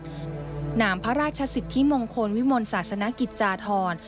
หน่ามพระราชสิบที่มงคลวิมนศาสนกิจฏรฝรณ์